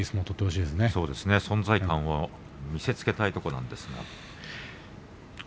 正代存在感を見せつけたいところです。